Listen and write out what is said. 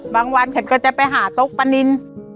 บางวันฉันก็จะไปหาตกประนิน